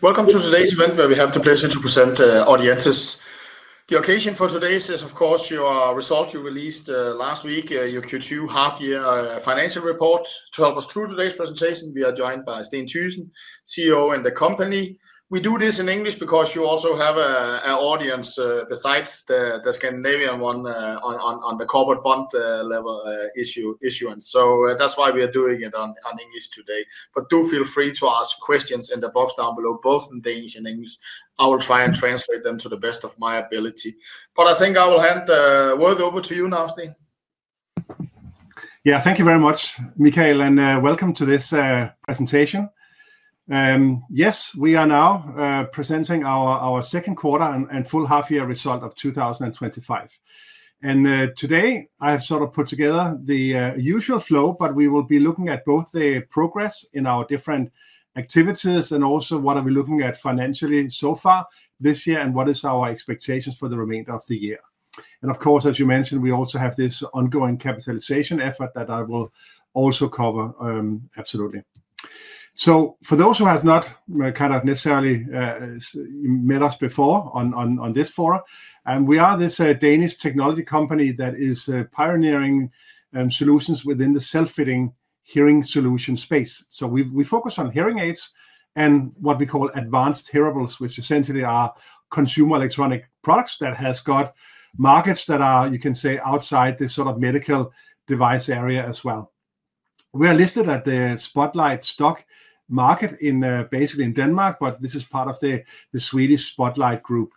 Welcome to today's event where we have the pleasure to present Audientes. The occasion for today is, of course, your result you released last week, your Q2 half-year financial report. To help us through today's presentation, we are joined by Steen Thygesen, CEO, and the company. We do this in English because you also have an audience besides the Scandinavian one on the corporate bond level issue. That's why we are doing it in English today. Do feel free to ask questions in the box down below, both in Danish and English. I will try and translate them to the best of my ability. I think I will hand the word over to you now, Steen. Yeah, thank you very much, Michael, and welcome to this presentation. Yes, we are now presenting our second quarter and full half-year result of 2025. Today, I have sort of put together the usual flow, but we will be looking at both the progress in our different activities and also what are we looking at financially so far this year and what are our expectations for the remainder of the year. Of course, as you mentioned, we also have this ongoing capitalization effort that I will also cover. Absolutely. For those who have not kind of necessarily met us before on this forum, we are this Danish technology company that is pioneering solutions within the self-fitting hearing solution space. We focus on hearing aids and what we call advanced hearables, which essentially are consumer electronic products that have got markets that are, you can say, outside this sort of medical device area as well. We are listed at the Spotlight Stock Market basically in Denmark, but this is part of the Swedish Spotlight Group.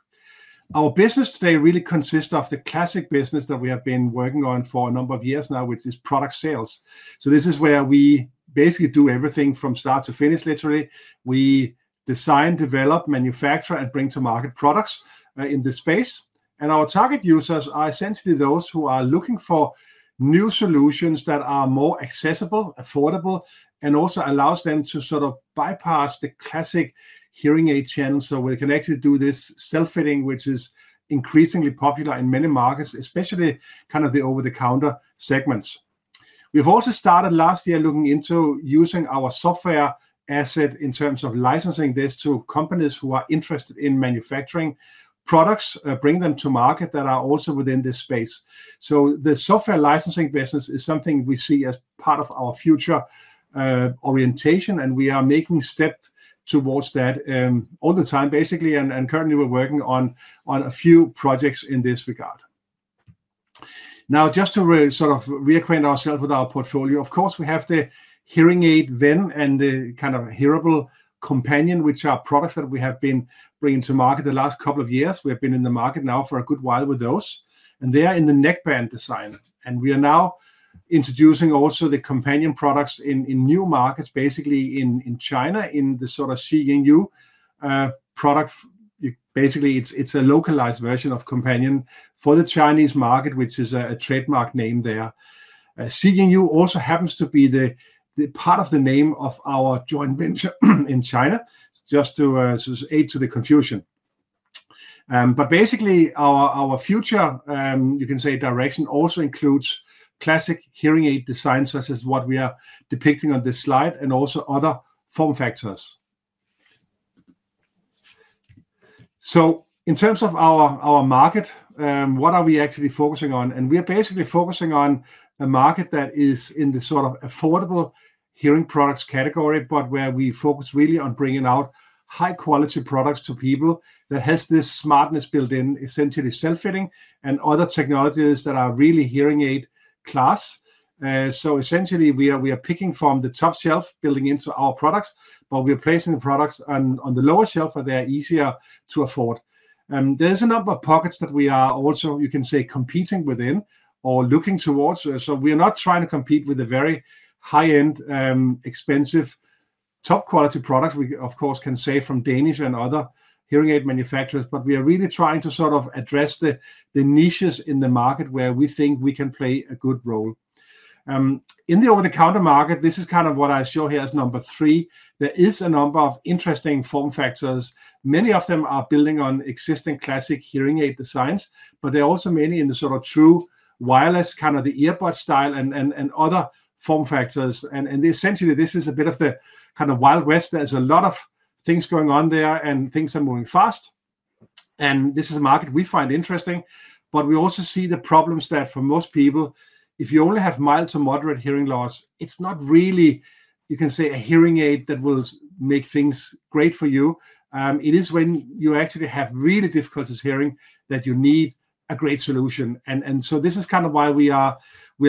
Our business today really consists of the classic business that we have been working on for a number of years now, which is product sales. This is where we basically do everything from start to finish, literally. We design, develop, manufacture, and bring to market products in this space. Our target users are essentially those who are looking for new solutions that are more accessible, affordable, and also allow them to sort of bypass the classic hearing aid channel. We can actually do this self-fitting, which is increasingly popular in many markets, especially kind of the over-the-counter segments. We've also started last year looking into using our software asset in terms of licensing this to companies who are interested in manufacturing products, bringing them to market that are also within this space. The software licensing business is something we see as part of our future orientation, and we are making steps towards that all the time, basically. Currently, we're working on a few projects in this regard. Just to sort of reacquaint ourselves with our portfolio, of course, we have the hearing aid Ven and the kind of hearable Companion, which are products that we have been bringing to market the last couple of years. We have been in the market now for a good while with those, and they are in the neckband design. We are now introducing also the Companion products in new markets, basically in China, in the sort of CNU product. Basically, it's a localized version of Companion for the Chinese market, which is a trademark name there. CNU also happens to be part of the name of our joint venture in China, just to add to the confusion. Basically, our future, you can say, direction also includes classic hearing aid designs, such as what we are depicting on this slide, and also other form factors. In terms of our market, what are we actually focusing on? We are basically focusing on a market that is in the sort of affordable hearing products category, but where we focus really on bringing out high-quality products to people that have this smartness built in, essentially self-fitting, and other technologies that are really hearing aid class. Essentially, we are picking from the top shelf, building into our products, or we are placing products on the lower shelf where they are easier to afford. There are a number of pockets that we are also, you can say, competing within or looking towards. We are not trying to compete with the very high-end, expensive, top-quality products. We, of course, can say from Danish and other hearing aid manufacturers, but we are really trying to sort of address the niches in the market where we think we can play a good role. In the over-the-counter market, this is kind of what I show here as number three. There are a number of interesting form factors. Many of them are building on existing classic hearing aid designs, but there are also many in the sort of true wireless, kind of the earbud style and other form factors. Essentially, this is a bit of the kind of Wild West. There are a lot of things going on there, and things are moving fast. This is a market we find interesting. We also see the problems that for most people, if you only have mild to moderate hearing loss, it's not really, you can say, a hearing aid that will make things great for you. It is when you actually have really difficult hearing that you need a great solution. This is kind of why we are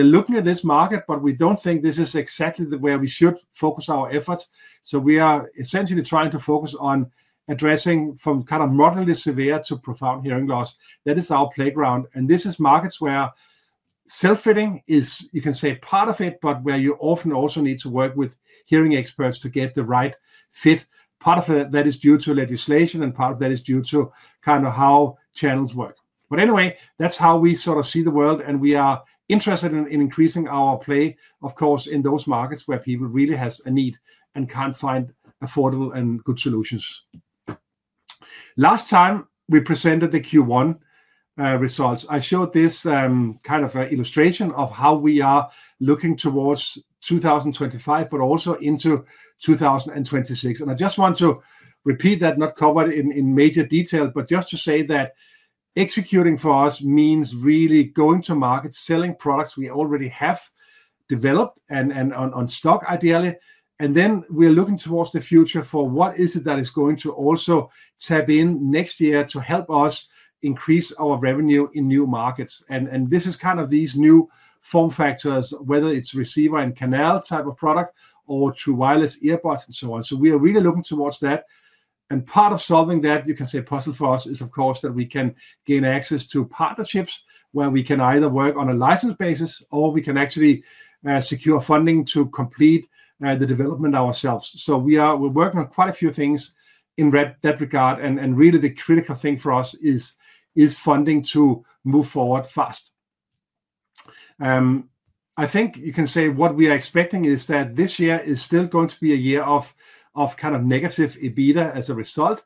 looking at this market, but we don't think this is exactly where we should focus our efforts. We are essentially trying to focus on addressing from kind of moderately severe to profound hearing loss. That is our playground. These are markets where self-fitting is, you can say, part of it, but where you often also need to work with hearing aid experts to get the right fit. Part of that is due to legislation, and part of that is due to kind of how channels work. That's how we sort of see the world. We are interested in increasing our play, of course, in those markets where people really have a need and can't find affordable and good solutions. Last time we presented the Q1 results, I showed this kind of illustration of how we are looking towards 2025, but also into 2026. I just want to repeat that, not cover it in major detail, but just to say that executing for us means really going to market, selling products we already have developed and on stock, ideally. We are looking towards the future for what is it that is going to also tap in next year to help us increase our revenue in new markets. This is kind of these new form factors, whether it's Receiver-in-Canal type of product or true wireless earbuds and so on. We are really looking towards that. Part of solving that, you can say, puzzle for us is, of course, that we can gain access to partnerships where we can either work on a license basis or we can actually secure funding to complete the development ourselves. We are working on quite a few things in that regard. The critical thing for us is funding to move forward fast. I think you can say what we are expecting is that this year is still going to be a year of kind of negative EBITDA as a result.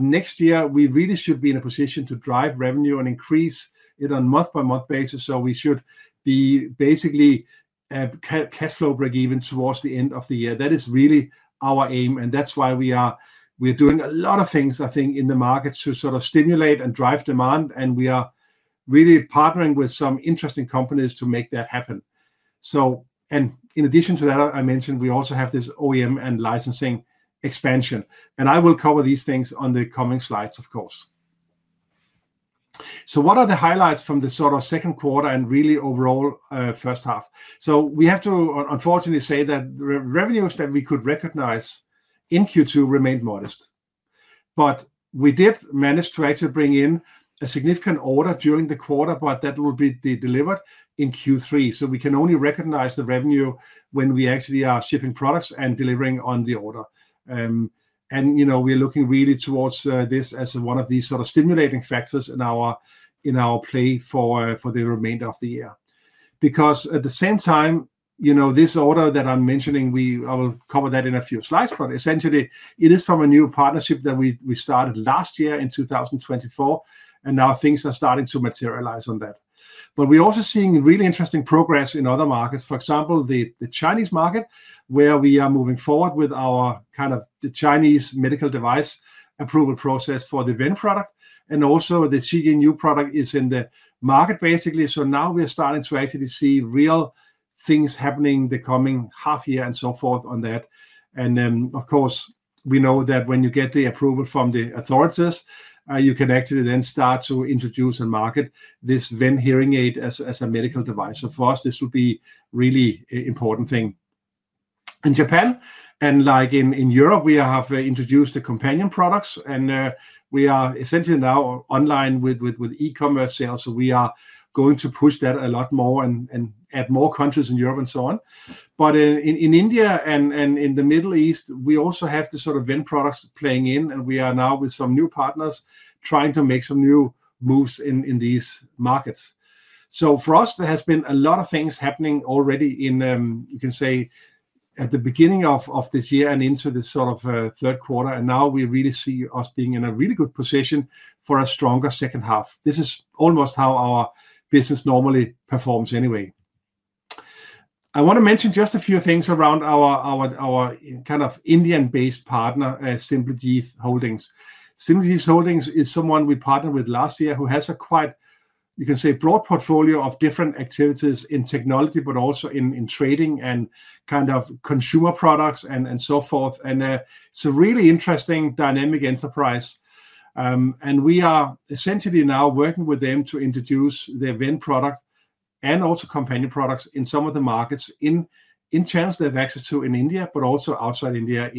Next year, we really should be in a position to drive revenue and increase it on a month-by-month basis. We should be basically a cash flow break even towards the end of the year. That is really our aim. That is why we are doing a lot of things, I think, in the market to sort of stimulate and drive demand. We are really partnering with some interesting companies to make that happen. In addition to that, I mentioned we also have this OEM and licensing expansion. I will cover these things on the coming slides, of course. What are the highlights from the sort of second quarter and really overall first half? We have to unfortunately say that the revenues that we could recognize in Q2 remained modest. We did manage to actually bring in a significant order during the quarter, but that will be delivered in Q3. We can only recognize the revenue when we actually are shipping products and delivering on the order. We are looking really towards this as one of these sort of stimulating factors in our play for the remainder of the year. At the same time, this order that I'm mentioning, I will cover that in a few slides. Essentially, it is from a new partnership that we started last year in 2024, and now things are starting to materialize on that. We are also seeing really interesting progress in other markets. For example, the Chinese market, where we are moving forward with our Chinese medical device approval process for the Ven product. Also, the CNU product is in the market, basically. Now we are starting to actually see real things happening the coming half year and so forth on that. Of course, we know that when you get the approval from the authorities, you can actually then start to introduce and market this Ven hearing aid as a medical device. For us, this would be a really important thing. In Japan and in Europe, we have introduced the Companion products. We are essentially now online with e-commerce sales. We are going to push that a lot more and add more countries in Europe and so on. In India and in the Middle East, we also have the sort of Ven products playing in. We are now with some new partners trying to make some new moves in these markets. For us, there have been a lot of things happening already at the beginning of this year and into this third quarter. Now we really see us being in a really good position for a stronger second half. This is almost how our business normally performs anyway. I want to mention just a few things around our Indian-based partner, SimplyJITH Holdings. SimplyJITH Holdings is someone we partnered with last year who has a quite, you can say, broad portfolio of different activities in technology, but also in trading and kind of consumer products and so forth. It's a really interesting dynamic enterprise. We are essentially now working with them to introduce their Ven product and also Companion products in some of the markets and channels they have access to in India, but also outside India,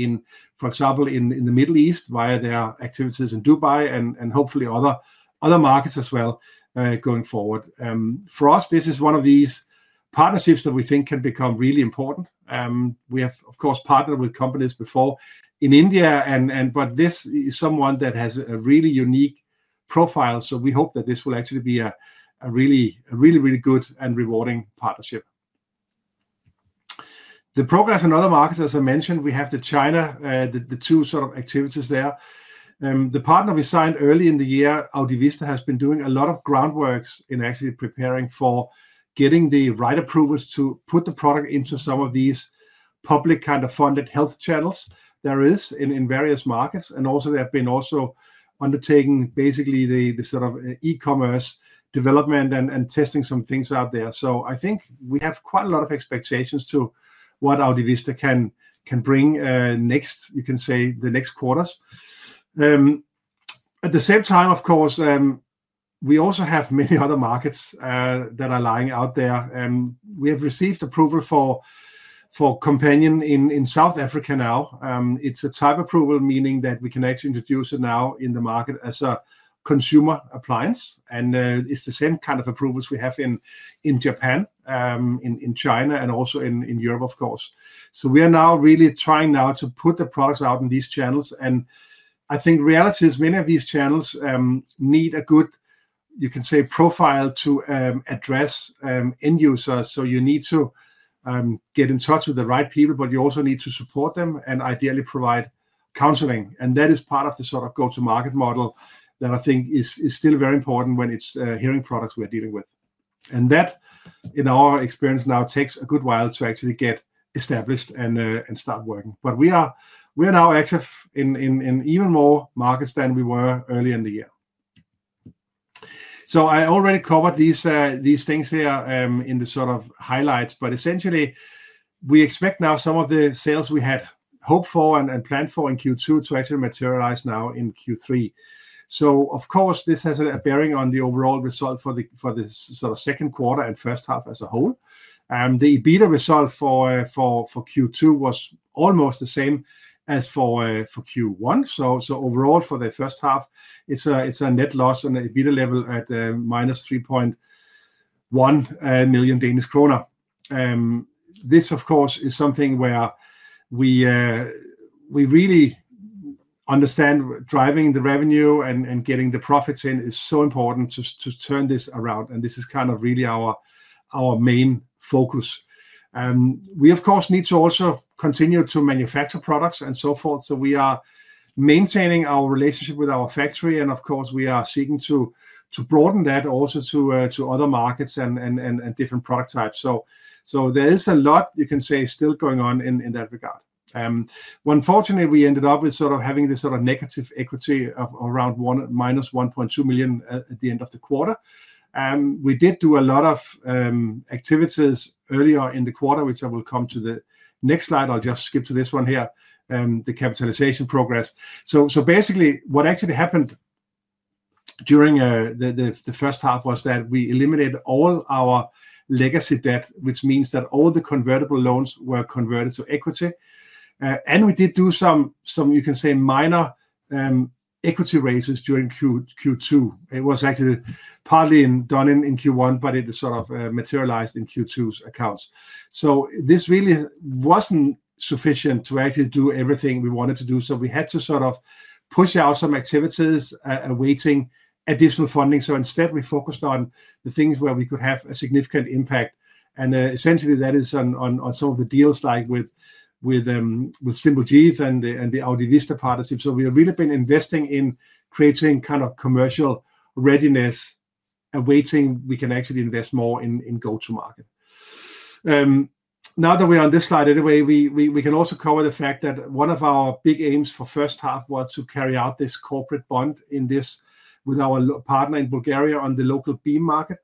for example, in the Middle East via their activities in Dubai and hopefully other markets as well going forward. For us, this is one of these partnerships that we think can become really important. We have, of course, partnered with companies before in India, but this is someone that has a really unique profile. We hope that this will actually be a really, really good and rewarding partnership. The progress in other markets, as I mentioned, we have the China, the two sort of activities there. The partner we signed early in the year, Audivista, has been doing a lot of groundwork in actually preparing for getting the right approvals to put the product into some of these public kind of funded health channels there are in various markets. They have also been undertaking basically the sort of e-commerce development and testing some things out there. I think we have quite a lot of expectations to what Audivista can bring next, you can say, the next quarters. At the same time, of course, we also have many other markets that are lying out there. We have received approval for Companion in South Africa now. It's a type of approval, meaning that we can actually introduce it now in the market as a consumer appliance. It's the same kind of approvals we have in Japan, in China, and also in Europe, of course. We are now really trying now to put the products out in these channels. I think reality is many of these channels need a good, you can say, profile to address end users. You need to get in touch with the right people, but you also need to support them and ideally provide counseling. That is part of the sort of go-to-market model that I think is still very important when it's hearing products we are dealing with. In our experience now, it takes a good while to actually get established and start working. We are now active in even more markets than we were earlier in the year. I already covered these things here in the sort of highlights. Essentially, we expect now some of the sales we had hoped for and planned for in Q2 to actually materialize now in Q3. Of course, this has a bearing on the overall result for the second quarter and first half as a whole. The EBITDA result for Q2 was almost the same as for Q1. Overall, for the first half, it's a net loss on the EBITDA level at -3.1 million Danish kroner. This, of course, is something where we really understand driving the revenue and getting the profits in is so important to turn this around. This is really our main focus. We, of course, need to also continue to manufacture products and so forth. We are maintaining our relationship with our factory. We are seeking to broaden that also to other markets and different product types. There is a lot still going on in that regard. Unfortunately, we ended up with negative equity of around -1.2 million at the end of the quarter. We did do a lot of activities earlier in the quarter, which I will come to on the next slide. I'll just skip to this one here, the capitalization progress. Basically, what actually happened during the first half was that we eliminated all our legacy debt, which means that all the convertible loans were converted to equity. We did do some minor equity raises during Q2. It was actually partly done in Q1, but it materialized in Q2's accounts. This really wasn't sufficient to actually do everything we wanted to do. We had to push out some activities awaiting additional funding. Instead, we focused on the things where we could have a significant impact. Essentially, that is on some of the deals like with SimplyJITH and the Audivista partnership. We have really been investing in creating commercial readiness, awaiting we can actually invest more in go-to-market. Now that we're on this slide anyway, we can also cover the fact that one of our big aims for the first half was to carry out this corporate bond with our partner in Bulgaria on the local BEAM market.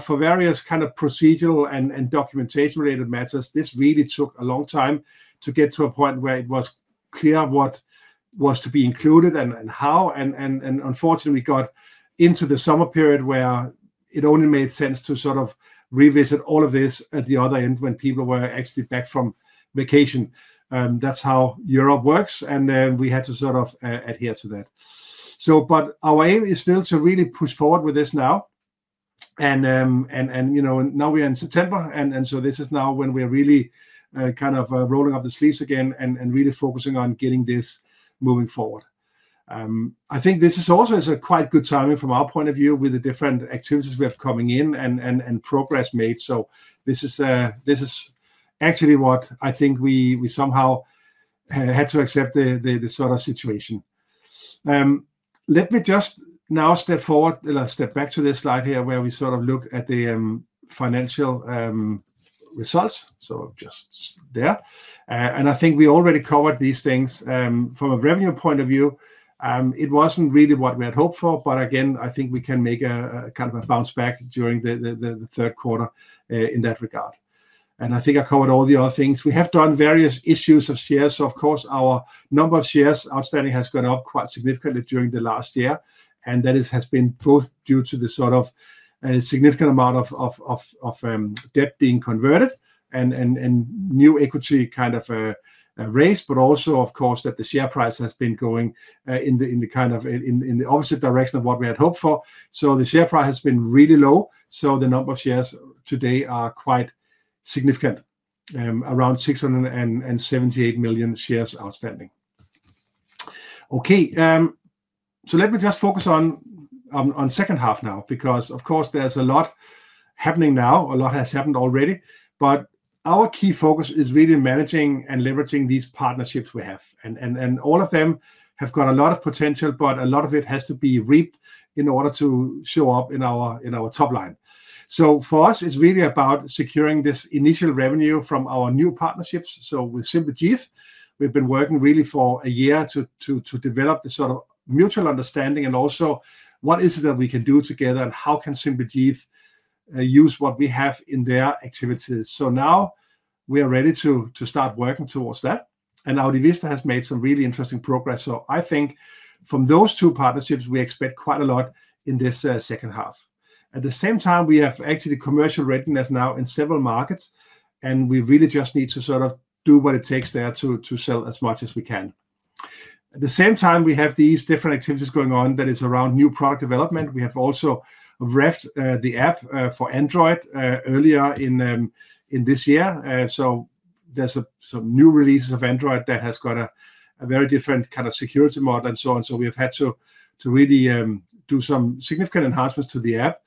For various procedural and documentation-related matters, this really took a long time to get to a point where it was clear what was to be included and how. Unfortunately, we got into the summer period where it only made sense to revisit all of this at the other end when people were actually back from vacation. That's how Europe works. We had to sort of adhere to that. Our aim is still to really push forward with this now. You know, now we are in September, and this is now when we're really kind of rolling up the sleeves again and really focusing on getting this moving forward. I think this is also quite good timing from our point of view with the different activities we have coming in and progress made. This is actually what I think we somehow had to accept, the sort of situation. Let me just now step back to this slide here where we sort of look at the financial results. Just there. I think we already covered these things. From a revenue point of view, it wasn't really what we had hoped for. I think we can make a kind of a bounce back during the third quarter in that regard. I think I covered all the other things. We have done various issues of shares, so of course, our number of shares outstanding has gone up quite significantly during the last year. That has been both due to the significant amount of debt being converted and new equity kind of raised, but also, of course, that the share price has been going in the opposite direction of what we had hoped for. The share price has been really low. The number of shares today is quite significant, around 678 million shares outstanding. Let me just focus on the second half now because, of course, there's a lot happening now. A lot has happened already. Our key focus is really managing and leveraging these partnerships we have. All of them have got a lot of potential, but a lot of it has to be reaped in order to show up in our top line. For us, it's really about securing this initial revenue from our new partnerships. With SimplyJITH, we've been working really for a year to develop this sort of mutual understanding and also what is it that we can do together and how can SimplyJITH use what we have in their activities. Now we are ready to start working towards that. Audivista has made some really interesting progress. I think from those two partnerships, we expect quite a lot in this second half. At the same time, we have actually commercial readiness now in several markets, and we really just need to sort of do what it takes there to sell as much as we can. At the same time, we have these different activities going on that are around new product development. We have also revved the app for Android earlier in this year. There are some new releases of Android that have got a very different kind of security model and so on. We have had to really do some significant enhancements to the app.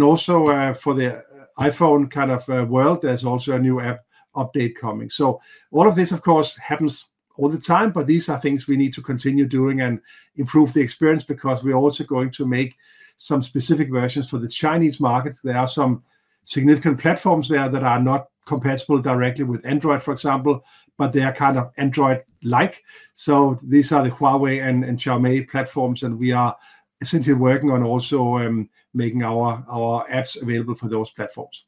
Also, for the iPhone kind of world, there's a new app update coming. All of this, of course, happens all the time, but these are things we need to continue doing and improve the experience because we're also going to make some specific versions for the Chinese market. There are some significant platforms there that are not compatible directly with Android, for example, but they are kind of Android-like. These are the Huawei and Xiaomi platforms. We are essentially working on also making our apps available for those platforms.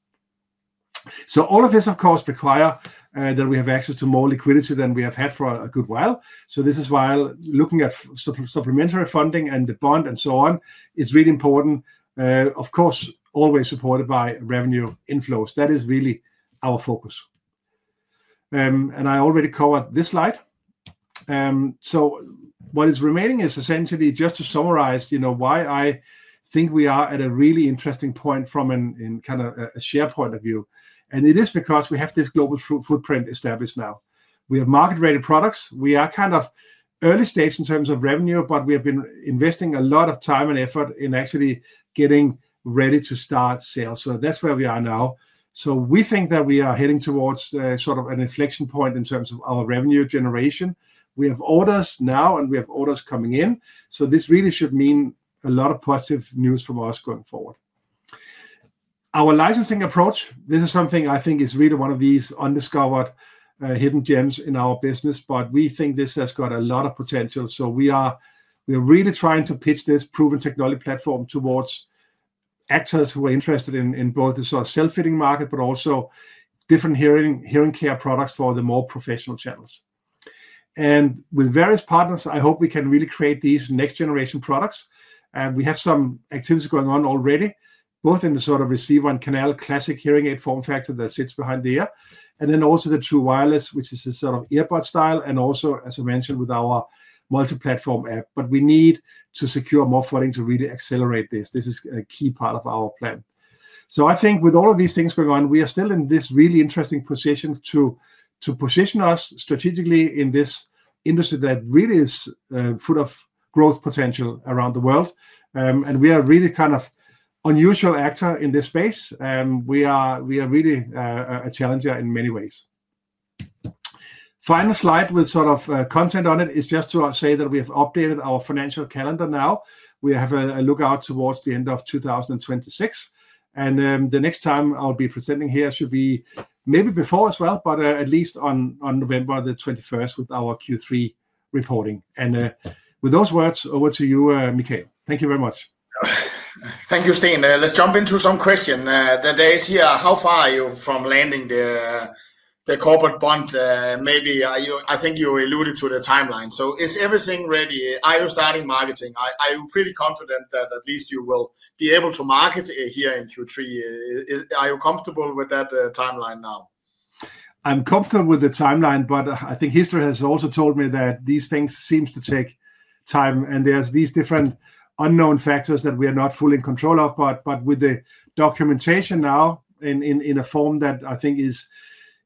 All of this, of course, requires that we have access to more liquidity than we have had for a good while. This is why looking at supplementary funding and the bond and so on is really important. Of course, always supported by revenue inflows. That is really our focus. I already covered this slide. What is remaining is essentially just to summarize why I think we are at a really interesting point from a kind of a shared point of view. It is because we have this global footprint established now. We have market-ready products. We are kind of early stage in terms of revenue, but we have been investing a lot of time and effort in actually getting ready to start sales. That's where we are now. We think that we are heading towards sort of an inflection point in terms of our revenue generation. We have orders now, and we have orders coming in. This really should mean a lot of positive news from us going forward. Our licensing approach, this is something I think is really one of these undiscovered hidden gems in our business. We think this has got a lot of potential. We are really trying to pitch this proven technology platform towards actors who are interested in both the sort of self-fitting market, but also different hearing care products for the more professional channels. With various partners, I hope we can really create these next-generation products. We have some activities going on already, both in the sort of Receiver-in-Canal classic hearing aid form factor that sits behind the ear, and then also the true wireless, which is the sort of earbud style, and also, as I mentioned, with our multi-platform app. We need to secure more funding to really accelerate this. This is a key part of our plan. With all of these things going on, we are still in this really interesting position to position us strategically in this industry that really is full of growth potential around the world. We are really kind of an unusual actor in this space. We are really a challenger in many ways. The final slide with content on it is just to say that we have updated our financial calendar now. We have a lookout towards the end of 2026. The next time I'll be presenting here should be maybe before as well, but at least on November 21st with our Q3 reporting. With those words, over to you, Michael. Thank you very much. Thank you, Steen. Let's jump into some questions. The day is here. How far are you from landing the corporate bond? I think you alluded to the timeline. Is everything ready? Are you starting marketing? Are you pretty confident that at least you will be able to market here in Q3? Are you comfortable with that timeline now? I'm comfortable with the timeline, but I think history has also told me that these things seem to take time. There are these different unknown factors that we are not fully in control of. With the documentation now in a form that I think is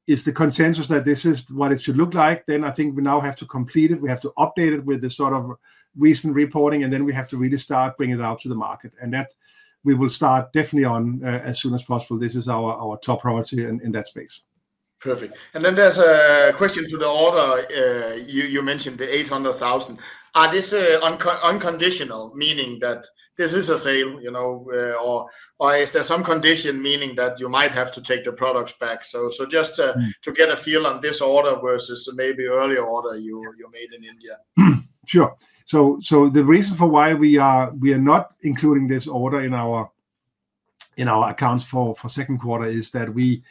the consensus that this is what it should look like, I think we now have to complete it. We have to update it with the sort of recent reporting, and we have to really start bringing it out to the market. We will start definitely as soon as possible. This is our top priority in that space. Perfect. There's a question to the order. You mentioned the $800,000. Are these unconditional, meaning that this is a sale, you know, or is there some condition, meaning that you might have to take the product back? Just to get a feel on this order versus maybe earlier order you made in India. Sure. The reason for why we are not including this order in our accounts for the second quarter is that we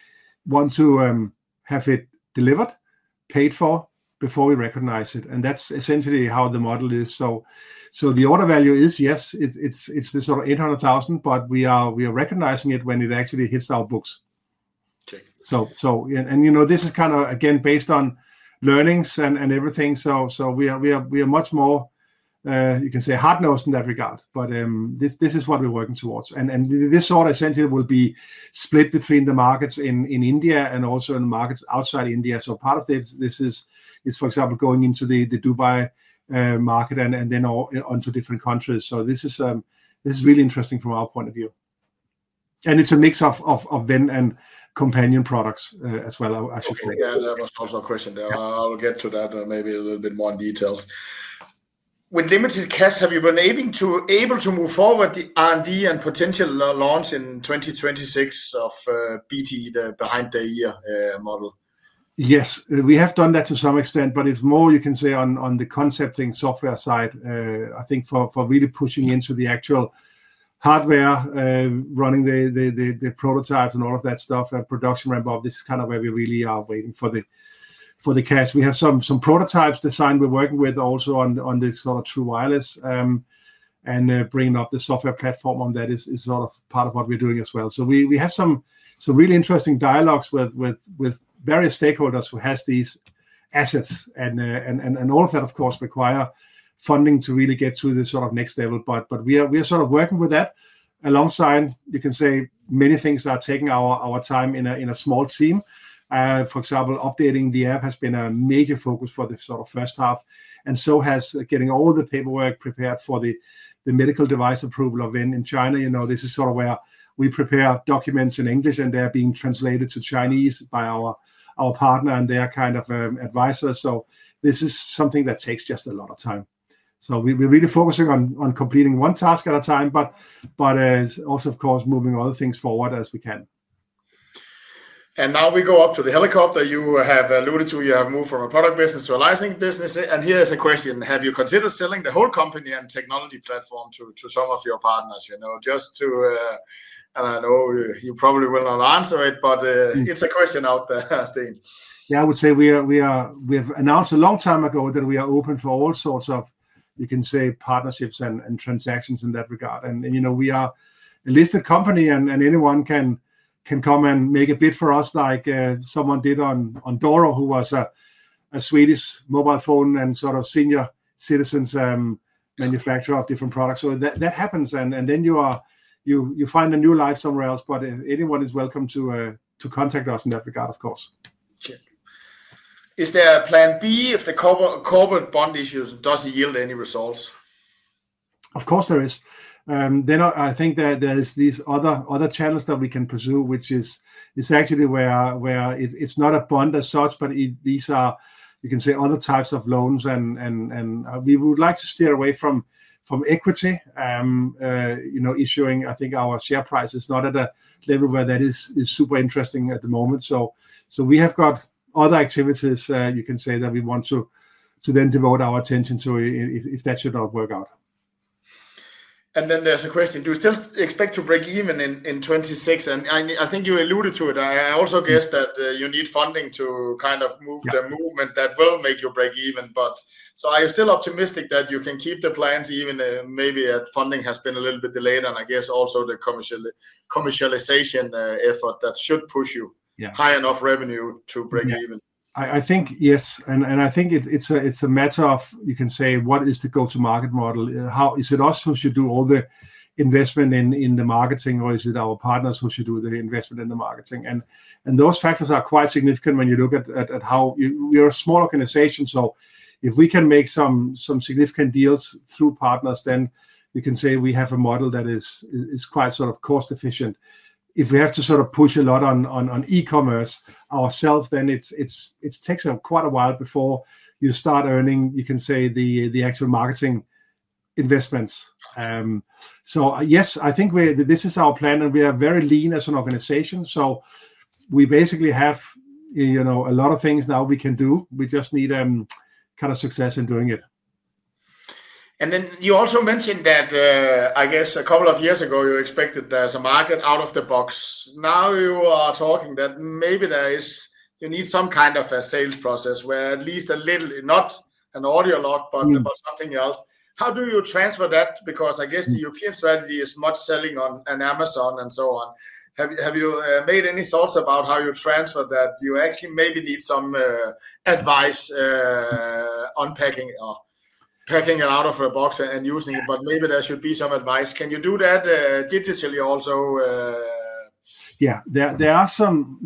want to have it delivered, paid for before we recognize it. That's essentially how the model is. The order value is, yes, it's the sort of $800,000, but we are recognizing it when it actually hits our books. This is kind of, again, based on learnings and everything. We are much more, you can say, hard-nosed in that regard. This is what we're working towards. This essentially will be split between the markets in India and also in the markets outside India. Part of this is, for example, going into the Dubai market and then on to different countries. This is really interesting from our point of view. It's a mix of Ven and Companion products as well, I should say. Yeah, that was a possible question there. I'll get to that maybe a little bit more in detail. With limited cash, have you been able to move forward the R&D and potential launch in 2026 of BTE, the Behind-the-Ear model? Yes, we have done that to some extent, but it's more, you can say, on the concepting software side. I think for really pushing into the actual hardware, running the prototypes and all of that stuff, production ramp up, this is kind of where we really are waiting for the cash. We have some prototypes designed we're working with also on this sort of true wireless. Bringing up the software platform on that is sort of part of what we're doing as well. We have some really interesting dialogues with various stakeholders who have these assets. All of that, of course, requires funding to really get to the sort of next level. We are sort of working with that alongside, you can say, many things that are taking our time in a small team. For example, updating the app has been a major focus for the sort of first half. So has getting all the paperwork prepared for the medical device approval. In China, you know, this is sort of where we prepare documents in English, and they're being translated to Chinese by our partner and their kind of advisor. This is something that takes just a lot of time. We are really focusing on completing one task at a time, but also, of course, moving other things forward as we can. We go up to the helicopter. You have alluded to your move from a product business to a licensing business. Here is a question. Have you considered selling the whole company and technology platform to some of your partners? You know, just to, and I know you probably will not answer it, but it's a question out there, Steen. I would say we have announced a long time ago that we are open for all sorts of, you can say, partnerships and transactions in that regard. You know, we are a listed company, and anyone can come and make a bid for us like someone did on Doro, who was a Swedish mobile phone and sort of senior citizens manufacturer of different products. That happens, and then you find a new life somewhere else. Anyone is welcome to contact us in that regard, of course. Is there a plan B if the corporate bond issuance doesn't yield any results? Of course, there is. I think that there are these other channels that we can pursue, which is actually where it's not a bond as such, but these are, you can say, other types of loans. We would like to steer away from equity, you know, issuing, I think, our share price is not at a level where that is super interesting at the moment. We have got other activities, you can say, that we want to then devote our attention to if that should not work out. There is a question. Do you still expect to break even in 2026? I think you alluded to it. I also guess that you need funding to kind of move the movement that will make you break even. Are you still optimistic that you can keep the plans, even if maybe funding has been a little bit delayed? I guess also the commercialization effort should push you high enough revenue to break even. I think yes. I think it's a matter of, you can say, what is the go-to-market model? Is it us who should do all the investment in the marketing, or is it our partners who should do the investment in the marketing? Those factors are quite significant when you look at how we are a small organization. If we can make some significant deals through partners, then you can say we have a model that is quite sort of cost-efficient. If we have to sort of push a lot on e-commerce ourselves, it takes quite a while before you start earning, you can say, the actual marketing investments. Yes, I think this is our plan. We are very lean as an organization. We basically have, you know, a lot of things now we can do. We just need kind of success in doing it. You also mentioned that, I guess, a couple of years ago, you expected there's a market out of the box. Now you are talking that maybe there is, you need some kind of a sales process where at least a little, not an audiolog, but something else. How do you transfer that? I guess the European strategy is much selling on Amazon and so on. Have you made any thoughts about how you transfer that? You actually maybe need some advice unpacking it out of a box and using it. Maybe there should be some advice. Can you do that digitally also? Yeah, there are some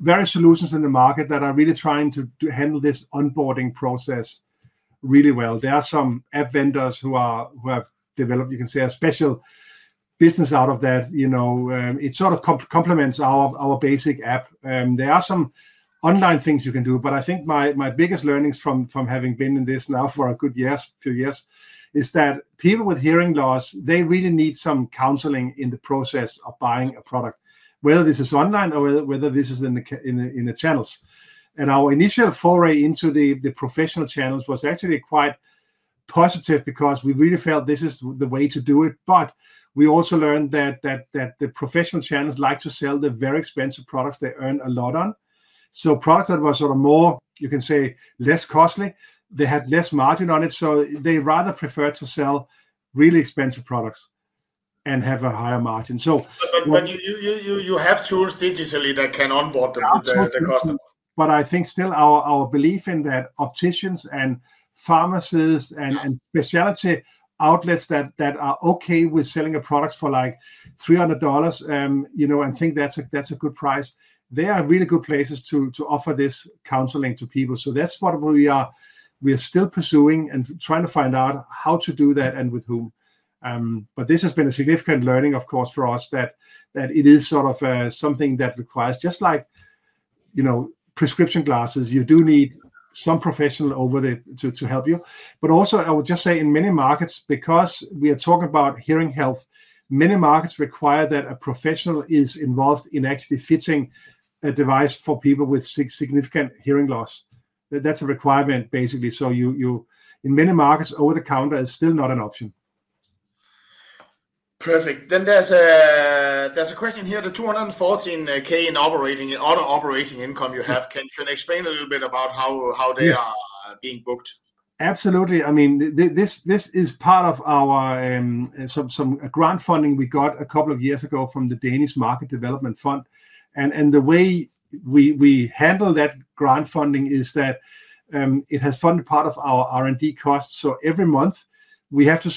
various solutions in the market that are really trying to handle this onboarding process really well. There are some app vendors who have developed, you can say, a special business out of that. It sort of complements our basic app. There are some online things you can do. I think my biggest learnings from having been in this now for a good year, a few years, is that people with hearing loss, they really need some counseling in the process of buying a product, whether this is online or whether this is in the channels. Our initial foray into the professional channels was actually quite positive because we really felt this is the way to do it. We also learned that the professional channels like to sell the very expensive products they earn a lot on. Products that were sort of more, you can say, less costly, they had less margin on it. They rather prefer to sell really expensive products and have a higher margin. You have tools digitally that can onboard the customer. I think still our belief is that opticians and pharmacists and specialty outlets that are OK with selling a product for $300, you know, and think that's a good price, are really good places to offer this counseling to people. That's what we are still pursuing and trying to find out how to do that and with whom. This has been a significant learning, of course, for us that it is sort of something that requires, just like, you know, prescription glasses, you do need some professional over there to help you. I would just say in many markets, because we are talking about hearing health, many markets require that a professional is involved in actually fitting a device for people with significant hearing loss. That's a requirement, basically. In many markets, over-the-counter is still not an option. Perfect. There is a question here. The $214,000 in other operating income you have, can you explain a little bit about how they are being booked? Absolutely. This is part of some grant funding we got a couple of years ago from the Danish Market Development Fund. The way we handle that grant funding is that it has funded part of our R&D costs. Every month, we have to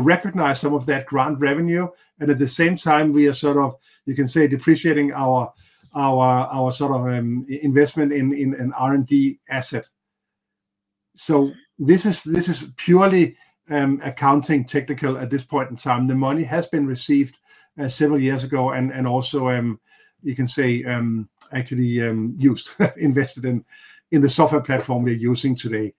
recognize some of that grant revenue. At the same time, we are depreciating our investment in an R&D asset. This is purely accounting technical at this point in time. The money has been received several years ago and actually used, invested in the software platform we are using today.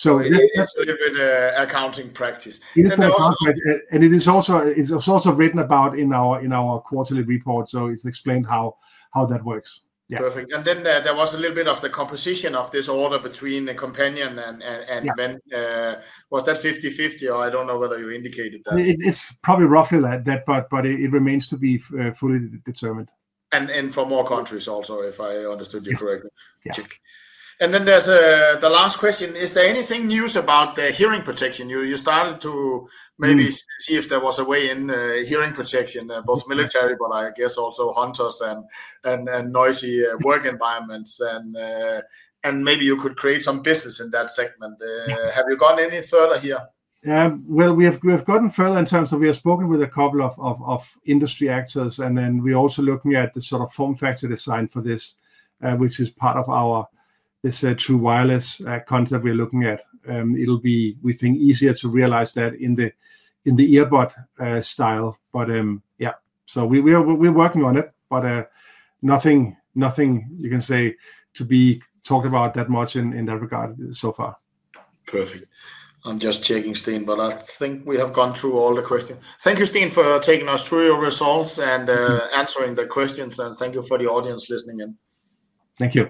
It is a little bit accounting practice. It is also written about in our quarterly report. It's explained how that works. Perfect. There was a little bit of the composition of this order between the Companion and Ven. Was that 50/50, or I don't know whether you indicated that. It's probably roughly like that, but it remains to be fully determined. For more countries also, if I understood you correctly. There's the last question. Is there anything new about the hearing protection? You started to maybe see if there was a way in hearing protection, both military, but I guess also hunters and noisy work environments. Maybe you could create some business in that segment. Have you gone any further here? We have gotten further in terms of we have spoken with a couple of industry actors. We are also looking at the sort of form factor design for this, which is part of our true wireless concept we're looking at. It'll be, we think, easier to realize that in the earbud style. We're working on it, but nothing, you can say, to be talked about that much in that regard so far. Perfect. I'm just checking, Steen, but I think we have gone through all the questions. Thank you, Steen, for taking us through your results and answering the questions. Thank you for the audience listening in. Thank you.